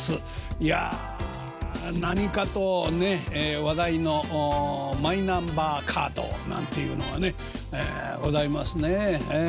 いや何かとね話題のマイナンバーカードなんていうのがねございますねえええ。